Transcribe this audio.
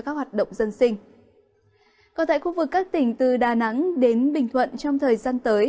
còn tại khu vực các tỉnh từ đà nẵng đến bình thuận trong thời gian tới